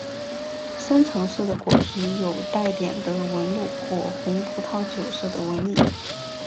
深橙色的果皮有带点的纹路或红葡萄酒色的纹理。